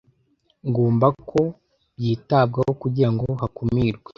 ngomba ko byitabwaho kugira ngo hakumirwe